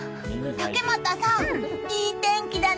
竹俣さん、いい天気だね！